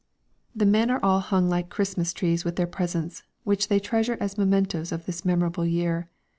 The men are all hung like Christmas trees with their presents, which they treasure as mementoes of this memorable year.